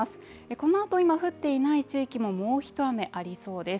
このあと、今降っていない地域ももう一雨ありそうです。